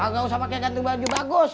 gak usah pake ganti baju bagus